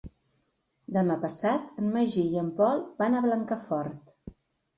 Demà passat en Magí i en Pol van a Blancafort.